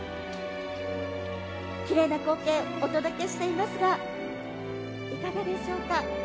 奇麗な光景お届けしていますがいかがでしょうか？